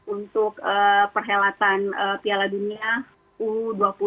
untuk perhelatan piala dunia u dua puluh